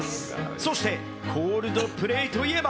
そしてコールドプレイといえば。